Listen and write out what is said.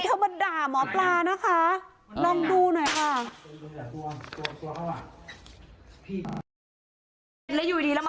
คุณปุ้ยอายุ๓๒นางความร้องไห้พูดคนเดี๋ยว